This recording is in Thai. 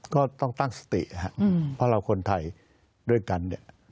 ก็ต้องตั้งสตินะครับเพราะเราคนไทยด้วยกันเนี่ย